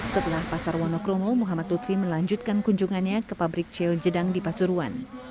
setelah pasar wonokromo muhammad lutfi melanjutkan kunjungannya ke pabrik ceo jedang di pasuruan